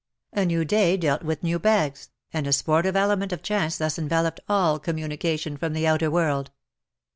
A new day dealt with new bags, and a sportive element of chance thus enveloped all communication from the outer world.